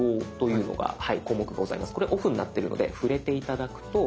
これオフになってるので触れて頂くと。